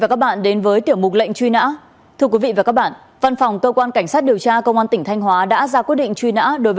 cảm ơn quý vị và các bạn đã quan tâm theo dõi